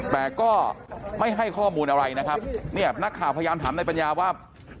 แต่ก็ไม่ให้ข้อมูลอะไรนะครับเนี่ยนักข่าวพยายามถามนายปัญญาว่า